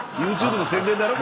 ＹｏｕＴｕｂｅの宣伝だろ？